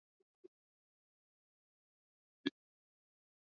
mmoja wao alikamatwa mwezi uliopita akiwa na risasi ambazo